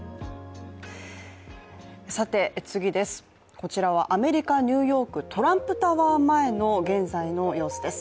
次です、こちらはアメリカ・ニューヨークトランプタワー前の現在の様子です。